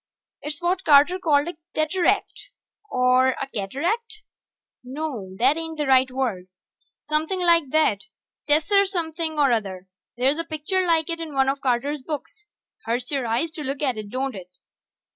It's what Carter called a teteract, or a cataract ... no, that ain't the right word. Somepin' like that tesser something or other. There's a picture like it in one of Carter's books. Hurts your eyes to look at it, don't it?